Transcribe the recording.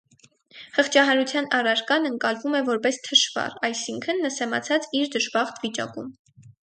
Խղճահարության առարկան ընկալվում է որպես «թշվառ», այսինքն՝ նսեմացած իր դժբախտ վիճակում։